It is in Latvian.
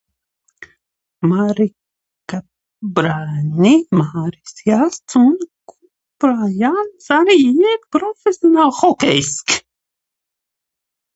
Mareka brālēni Māris Jass un Koba Jass arī ir profesionāli hokejisti.